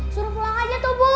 suruh pulang aja tuh bu